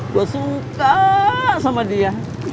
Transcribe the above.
gue suka sama dia